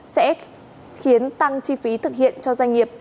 sẽ khiến tăng chi phí thực hiện cho doanh nghiệp